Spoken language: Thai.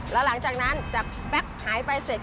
แล้วหลังจากนั้นจากแป๊บหายไปเสร็จ